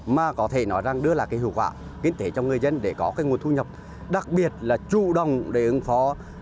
mà có thể nói rằng đưa lại hiệu quả kiến thể cho người dân để có nguồn thu nhập đặc biệt là chủ động để ứng phó